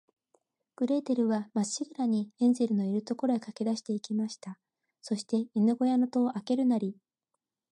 グレーテルは、まっしぐらに、ヘンゼルのいる所へかけだして行きました。そして、犬ごやの戸をあけるなり、